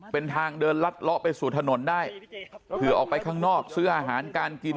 เป็นทางเดินลัดเลาะไปสู่ถนนได้เผื่อออกไปข้างนอกซื้ออาหารการกิน